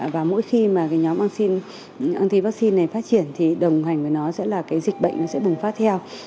và mỗi khi mà cái nhóm an sinh anti vaccine này phát triển thì đồng hành với nó sẽ là cái dịch bệnh nó sẽ bùng phát theo